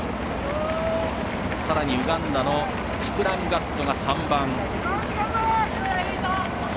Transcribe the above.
ウガンダのキプランガットが３番。